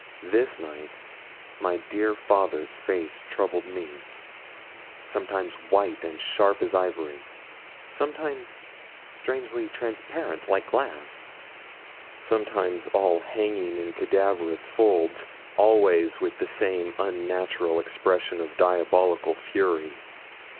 This night my dear father's face troubled me sometimes white and sharp as ivory, sometimes strangely transparent like glass, sometimes all hanging in cadaverous folds, always with the same unnatural expression of diabolical fury.